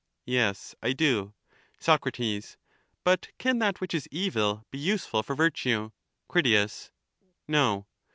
Yes, I do. Soc. But can that which is evil be useful for virtue? Crit. No.